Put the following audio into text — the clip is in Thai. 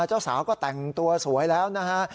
เจ้าสาวก็แต่งตัวสวยแล้วนะฮะ